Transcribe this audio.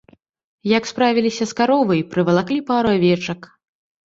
Як справіліся з каровай, прывалаклі пару авечак.